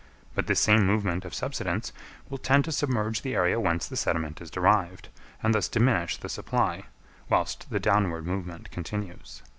But this same movement of subsidence will tend to submerge the area whence the sediment is derived, and thus diminish the supply, whilst the downward movement continues.